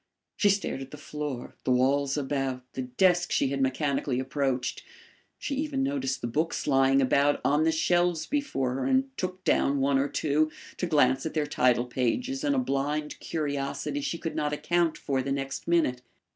She stared at the floor, the walls about, the desk she had mechanically approached. She even noticed the books lying about on the shelves before her and took down one or two, to glance at their title pages in a blind curiosity she could not account for the next minute.